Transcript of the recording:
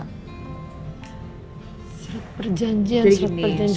surat perjanjian apa ya